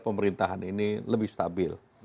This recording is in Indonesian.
pemerintahan ini lebih stabil